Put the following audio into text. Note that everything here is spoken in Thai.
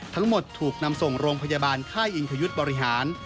ทั้งหมดถูกนำส่งโรงพยาบาลค่ายอิงคยุทธ์บริหาร